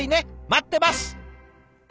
待ってます！